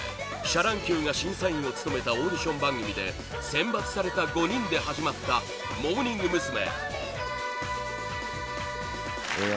シャ乱Ｑが審査員を務めたオーディション番組で選抜された５人で始まったモーニング娘。